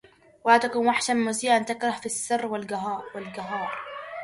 ولا تكن وحشا مسيئا تكره في السر والجهار!!